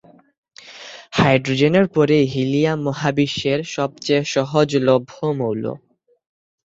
হাইড্রোজেনের পরেই হিলিয়াম মহাবিশ্বের সবচেয়ে সহজলভ্য মৌল।